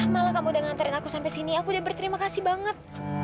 malah kamu udah ngantarin aku sampai sini aku udah berterima kasih banget